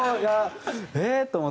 ええー！と思って。